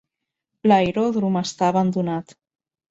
L'aeròdrom està abandonat.